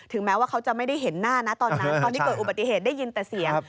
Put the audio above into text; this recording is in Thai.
แม้ว่าเขาจะไม่ได้เห็นหน้านะตอนนั้นตอนที่เกิดอุบัติเหตุได้ยินแต่เสียง